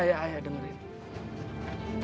ayah ayah ayah dengerin